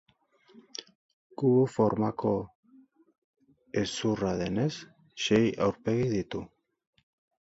Kubo formako hezurra denez, sei aurpegi ditu.